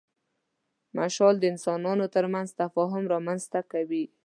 مشال د انسانانو تر منځ تفاهم رامنځ ته کوي.